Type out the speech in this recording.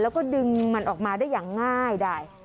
แล้วก็ดึงมันออกมาได้อย่างง่ายได้